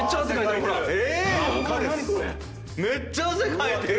めっちゃ汗かいてる！